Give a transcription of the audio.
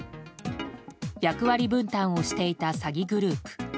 役割分担をしていた詐欺グループ。